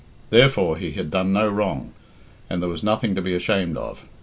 Therefore, he had done no wrong, and there was nothing to be ashamed of.